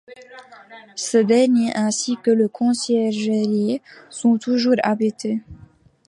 Ce dernier, ainsi que la conciergerie, sont toujours habités.